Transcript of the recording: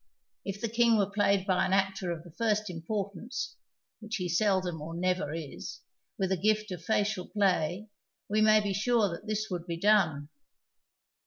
If the King were played by an actor of the first importance (which he seldom or never is), with a gift of facial play, we nuiy be sure that this would be done.